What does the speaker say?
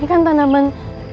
ini kan tanaman